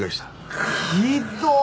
ひどっ。